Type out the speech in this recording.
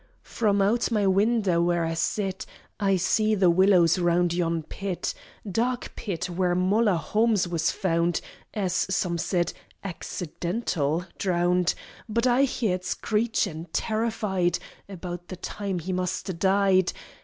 From out my winder, where I sit I see the willows round yon pit: Dark Pit where Moller Holmes was found As some said, accidental drowned! But I heard screechin', terrified, About the time he must a died!